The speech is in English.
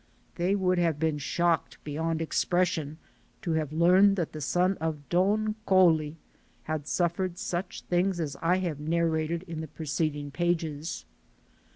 They would have been shocked beyond expression to have learned that the son of Don Coli had suffered such things as I have narrated in the preceding pages.